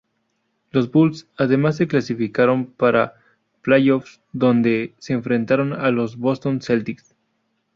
Los Bulls además se clasificaron para playoffs, donde se enfrentaron a los Boston Celtics.